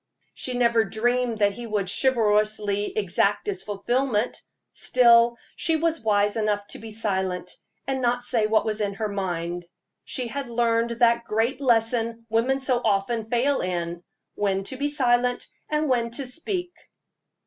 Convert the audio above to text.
She never dreamed that he would chivalrously exact its fulfillment. Still, she was wise enough to be silent, and not say what was in her mind. She had learned that great lesson women so often fail in when to be silent and when to speak.